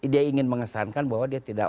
dia ingin mengesankan bahwa dia tidak